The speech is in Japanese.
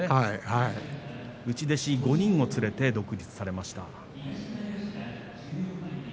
内弟子５人を連れて独立されました。